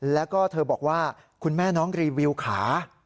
แล้วก็เธอบอกว่าคุณแม่น้องรีวิวขา